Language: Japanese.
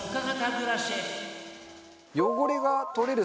汚れが取れる